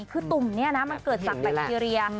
คือตุ่มนี้นะมันเกิดจากแบคทีเรีย